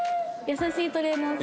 優しいトレーナーさんだ。